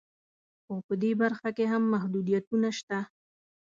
خو په دې برخه کې هم محدودیتونه شته